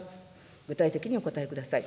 具体的にお答えください。